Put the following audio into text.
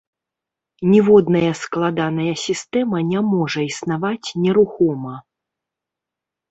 Ніводная складаная сістэма не можа існаваць нерухома.